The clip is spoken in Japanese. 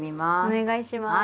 お願いします。